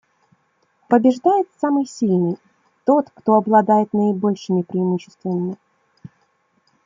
Побеждает самый сильный, тот, кто обладает наибольшими преимуществами.